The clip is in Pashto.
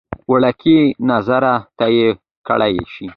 وړکیه ناظره ته یې کړی شې.